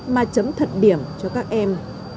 mà chấm thật điểm cho các em